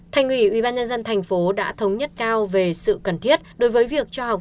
thành ủy ybnd thành phố đã thống nhất cao về sự cần thiết đối với việc cho học